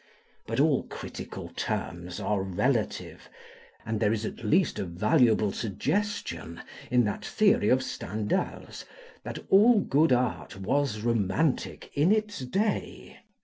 But all critical terms are relative; and there is at least a valuable suggestion in that theory of Stendhal's, that all good art was romantic in its day.